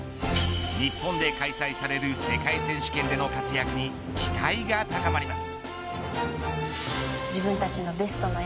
日本で開催される世界選手権での活躍に期待が高まります。